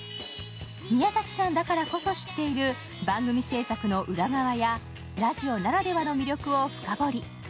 宮ざきさんだからこそ知っている番組制作の裏側やラジオならではの魅力を深掘り。